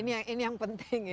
nah ini yang penting